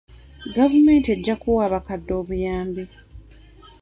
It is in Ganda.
Gavumenti ejja kuwa abakadde obuyambi.